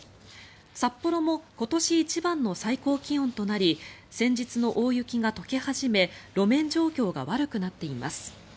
札幌も今年一番の最高気温となり先日の大雪が解け始め路面状況が悪くなっています。